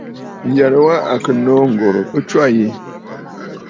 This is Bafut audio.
Ǹyərə wa à kɨ̀ nô ŋ̀gòrə̀ ɨ tswâ yi.